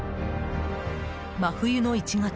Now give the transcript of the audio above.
真冬の１月。